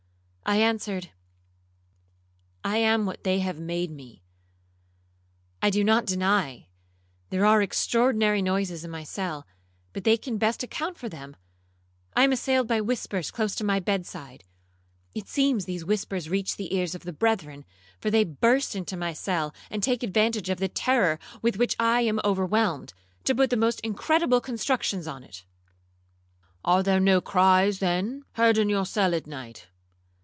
I answered, 'I am what they have made me. I do not deny there are extraordinary noises in my cell, but they can best account for them. I am assailed by whispers close to my bed side: It seems these whispers reach the ears of the brethren, for they burst into my cell, and take advantage of the terror with which I am overwhelmed, to put the most incredible constructions on it.'—'Are there no cries, then, heard in your cell at night?'